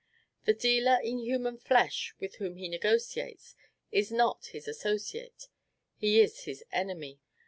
The dealer in human flesh, with whom he negotiates, is not his associate; he is his enemy.